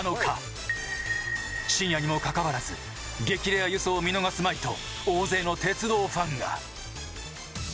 深夜にもかかわらず激レア輸送を見逃すまいと大勢の鉄道ファンが。